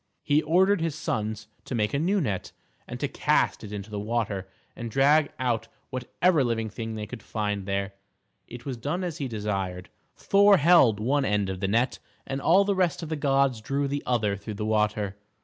He ordered his sons to make a new net, and to cast it into the water, and drag out whatever living thing they could find there. It was done as he desired. Thor held one end of the net, and all the rest of the gods drew the other through the water.